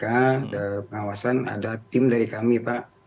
karena pengawasan ada tim dari kami pak